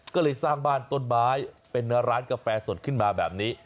ก็เลยสร้างบ้านต้นไม้เป็นร้านกาแฟสดขึ้นมาแบบนี้